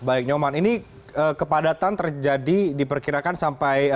baik nyoman ini kepadatan terjadi diperkirakan sampai